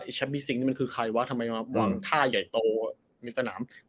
แชมป์บีซิงนี่มันคือใครวะทำไมมาวางท่าใหญ่โตในสนาม